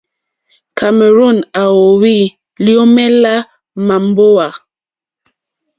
Cameroon à óhwì lyǒmélá màmbówà.